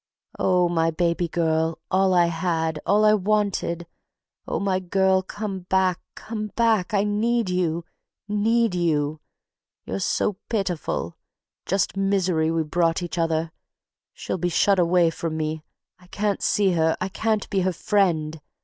"Oh... my baby girl, all I had, all I wanted!... Oh, my girl, come back, come back! I need you... need you... we're so pitiful ... just misery we brought each other.... She'll be shut away from me.... I can't see her; I can't be her friend.